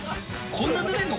こんなぬれるの？